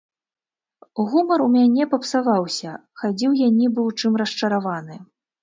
Гумар у мяне папсаваўся, хадзіў я нібы ў чым расчараваны.